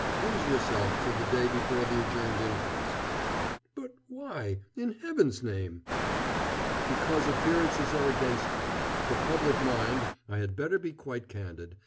Lose yourself till the day before the adjourned inquest." "But why in Heaven's name?" "Because appearances are against you. The public mind I had better be quite candid.